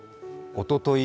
おととい